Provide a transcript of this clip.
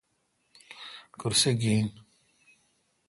کرسہ گین۔